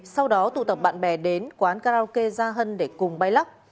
sau đó tụ tập bạn bè đến quán karaoke gia hân để cùng bay lắc